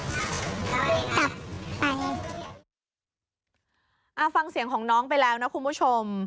ฟังเสียงของน้องไปแล้วนะคุณผู้ชม